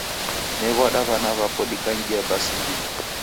Ne'wada w'ana w'apo dikangia basi ndini.